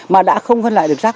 mà đã không phân loại được rác